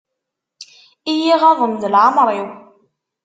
I y-iɣaḍen d leɛmer-iw.